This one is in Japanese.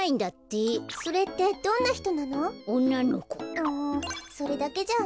うんそれだけじゃあね。